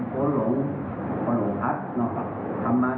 แต่ว่าละออนมาพึ่ง